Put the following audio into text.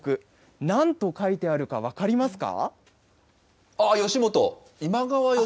なんと書いてあるか分かりますか？